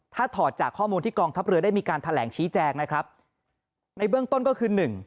ถ้าถอดจากข้อมูลที่กองทัพเรือได้มีการแถลงชี้แจงนะครับในเบื้องต้นก็คือหนึ่ง